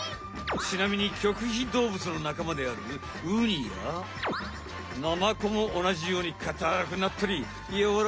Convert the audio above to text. ちなみに棘皮動物のなかまであるウニやナマコもおなじようにかたくなったりやわらかくなったりするよ。